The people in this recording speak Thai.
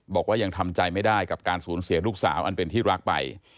บอกว่ายังทำใจไม่ได้กับการสูญเสียลูกสาวอันเป็นที่รักไป